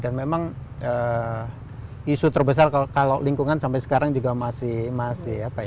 dan memang isu terbesar kalau lingkungan sampai sekarang juga masih masih apa ya